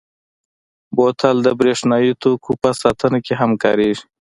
بوتل د برېښنايي توکو په ساتنه کې هم کارېږي.